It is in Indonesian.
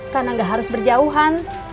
karena gak harus berjauhan